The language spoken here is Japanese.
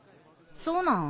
そうなん？